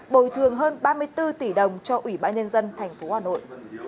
bồi thường hơn ba mươi bốn tỷ đồng cho ủy ban nhân dân tp hà nội